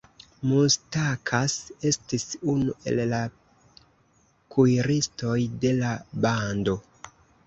Mustakas estis unu el la kuiristoj de la bando.